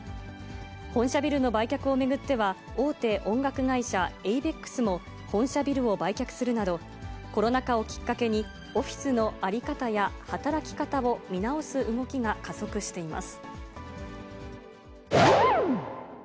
本社ビルの売却を巡っては、大手音楽会社、エイベックスも本社ビルを売却するなど、コロナ禍をきっかけにオフィスの在り方や働き方を見直す動きが加速しています。